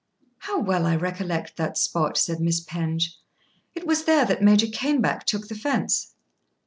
"How well I recollect that spot," said Miss Penge. "It was there that Major Caneback took the fence."